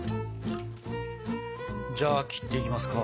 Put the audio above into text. じゃあ切っていきますか。